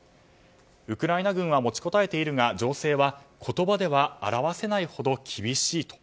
ウクライナ軍は持ちこたえているが情勢は言葉では表せないほど厳しいと。